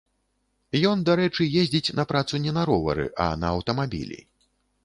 Ён, дарэчы, ездзіць на працу не на ровары, а на аўтамабілі.